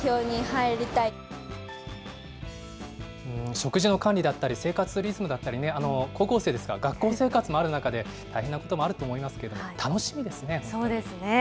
食事の管理だったり、生活のリズムだったりね、高校生ですから、学校生活もある中で大変なこともあると思いますけど、楽しみですそうですね。